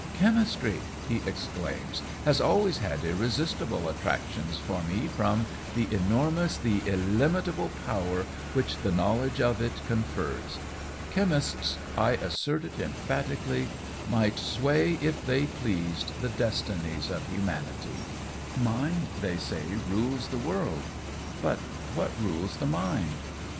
"Chemistry!" he exclaims, "has always had irresistible attractions for me from the enormous, the illimitable power which the knowledge of it confers. Chemists I assert it emphatically might sway, if they pleased, the destinies of humanity. Mind, they say, rules the world. But what rules the mind?